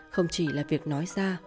không chỉ là việc nói ra